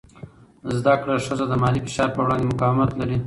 زده کړه ښځه د مالي فشار په وړاندې مقاومت لري.